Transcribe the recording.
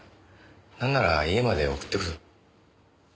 なんなら家まで送ってくぞ。